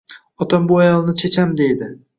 Otam bu ayolni checham dedi